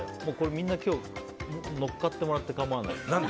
みんな今日乗っかってもらって構わない。